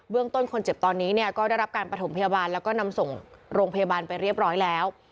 ต้นคนเจ็บตอนนี้เนี่ยก็ได้รับการประถมพยาบาลแล้วก็นำส่งโรงพยาบาลไปเรียบร้อยแล้ว